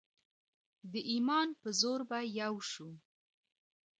د ایمان په زور به یو شو.